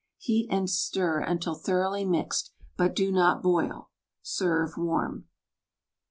Heat and stir until thoroughly mixed— but do not boil. Serve warm.